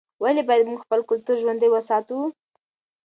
ولې باید موږ خپل کلتور ژوندی وساتو؟